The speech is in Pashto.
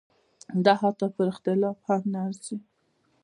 دا حتی پر اختلاف هم نه ارزي.